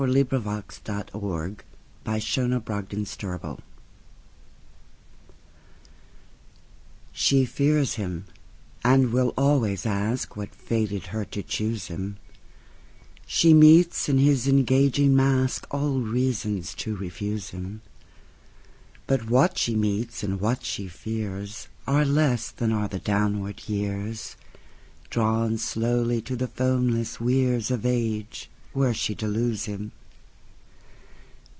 Collected Poems. 1921. I. The Man Against the Sky 10. Eros Turannos SHE fears him, and will always askWhat fated her to choose him; She meets in his engaging maskAll reasons to refuse him; But what she meets and what she fearsAre less than are the downward years, Drawn slowly to the foamless weirsOf age, were she to lose him.